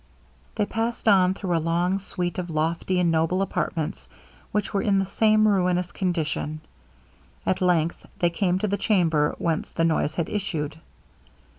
They passed on through a long suite of lofty and noble apartments, which were in the same ruinous condition. At length they came to the chamber whence the noise had issued.